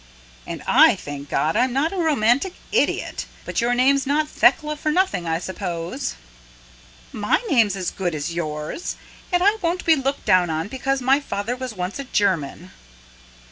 "And I thank God I'm not a romantic idiot. But your name's not Thekla for nothing I suppose." "My name's as good as yours. And I won't be looked down on because my father was once a German."